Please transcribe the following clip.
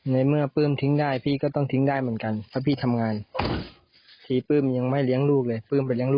ในเมื่อปื้มทิ้งได้พี่ก็ต้องทิ้งได้เหมือนกัน